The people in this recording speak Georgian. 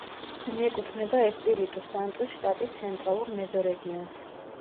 მიეკუთვნება ესპირიტუ-სანტუს შტატის ცენტრალურ მეზორეგიონს.